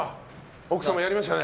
奥様、やりましたね。